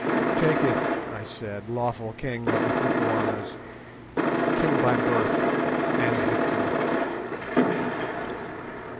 "Take it," I said, "lawful king of the Kukuanas—king by birth and victory."